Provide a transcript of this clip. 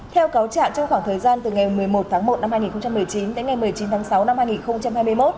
theo cáo trạng trong khoảng thời gian từ ngày một mươi một tháng một năm hai nghìn một mươi chín đến ngày một mươi chín tháng sáu năm hai nghìn hai mươi một